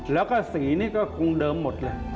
แล้วก็สีนี่ก็คงเดิมหมดเลย